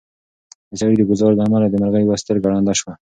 د سړي د ګوزار له امله د مرغۍ یوه سترګه ړنده شوه.